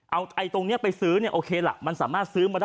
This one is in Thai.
เอาตรงนี้ไปซื้อเนี่ยโอเคล่ะมันสามารถซื้อมาได้